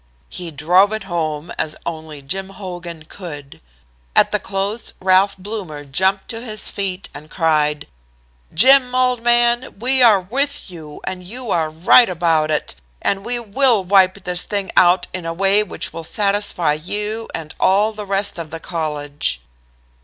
"He drove it home as only Jim Hogan could. At the close Ralph Bloomer jumped to his feet and cried: "'Jim, old man, we are with you, and you are right about it, and we will wipe this thing out in a way which will satisfy you and all the rest of the college.'